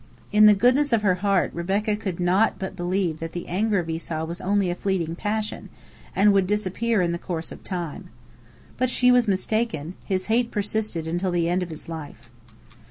In the goodness of her heart, Rebekah could not but believe that the anger of Esau was only a fleeting passion, and would disappear in the course of time. But she was mistaken, his hate persisted until the end of his life.